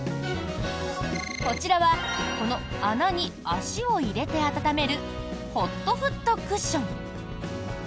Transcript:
こちらはこの穴に足を入れて温めるＨＯＴフットクッション。